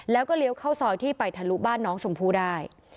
แล้วก็เลี้ยวเข้าซอยที่ไปทะลุบ้านน้องชมพู่ได้